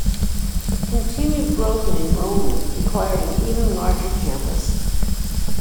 Continued growth in enrollment required an even larger campus.